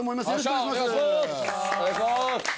お願いします！